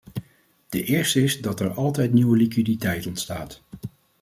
De eerste is dat er altijd nieuwe liquiditeit ontstaat.